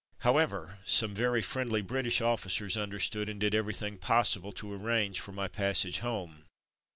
However, some very friendly British officers understood, and did everything possible to arrange for my passage home.